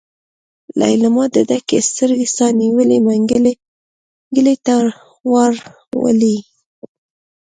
ليلما ډکې سترګې سا نيولي منګلي ته واړولې.